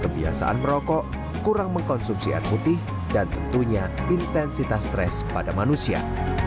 kebiasaan merokok kurang mengkonsumsi air putih dan tentunya intensitas stres pada manusia